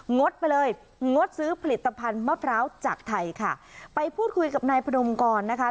ดไปเลยงดซื้อผลิตภัณฑ์มะพร้าวจากไทยค่ะไปพูดคุยกับนายพนมกรนะคะ